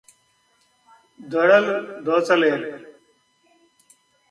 దొరలు దోచలేరు